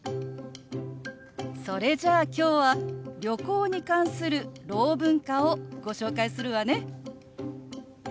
それじゃあ今日は旅行に関するろう文化をご紹介するわね。